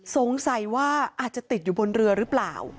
สงสัยว่าอาจจะติดอยู่บนเรือหรือเปล่า